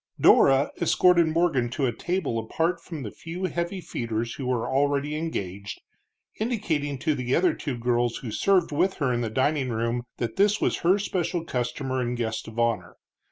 Dora escorted Morgan to a table apart from the few heavy feeders who were already engaged, indicating to the other two girls who served with her in the dining room that this was her special customer and guest of honor.